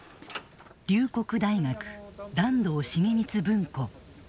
龍谷大学團藤重光文庫。